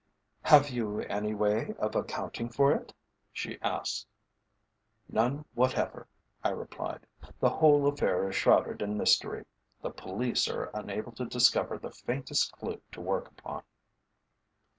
"Have you any way of accounting for it?" she asked. "None whatever," I replied. "The whole affair is shrouded in mystery. The police are unable to discover the faintest clue to work upon."